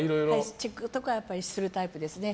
チェックとかはするタイプですね。